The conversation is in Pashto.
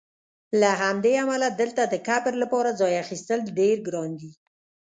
له همدې امله دلته د قبر لپاره ځای اخیستل ډېر ګران دي.